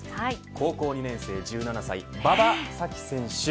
高校２年生、１７歳馬場咲希選手